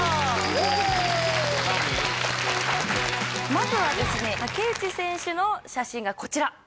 まずはですね竹内選手の写真がこちら。